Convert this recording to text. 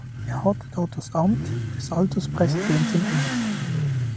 Er hatte dort das Amt des Alterspräsidenten inne.